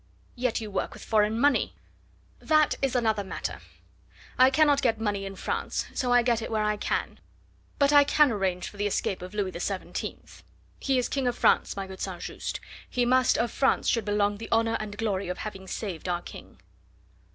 "Yet you work with foreign money!" "That is another matter. I cannot get money in France, so I get it where I can; but I can arrange for the escape of Louis XVII from the Temple Prison, and to us Royalists of France should belong the honour and glory of having saved our King."